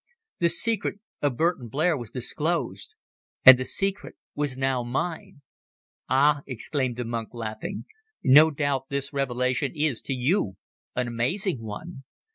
The secret of Burton Blair was disclosed and the secret was now mine! "Ah!" exclaimed the monk, laughing, "no doubt this revelation is, to you, an amazing one.